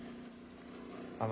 あの。